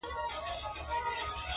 • د هغه قام به خاوري په سر وي -